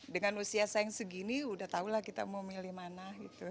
dengan usia saya yang segini udah tahu lah kita mau milih mana gitu